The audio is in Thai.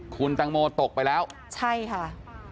คุณตังโมตกไปแล้วใช่ค่ะ